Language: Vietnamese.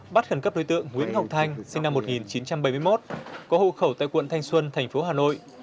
bắt khẩn cấp đối tượng nguyễn ngọc thanh sinh năm một nghìn chín trăm bảy mươi một có hộ khẩu tại quận thanh xuân thành phố hà nội